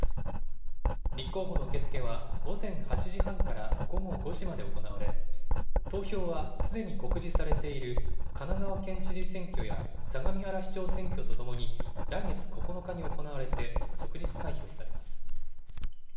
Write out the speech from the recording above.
立候補の受け付けは午前８時半から午後５時まで行われ、投票はすでに告示されている神奈川県知事選挙や相模原市長選挙とともに来月９日に行われて即日開票されます。